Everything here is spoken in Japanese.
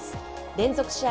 連続試合